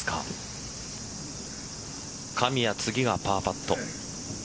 神谷、次がパーパット。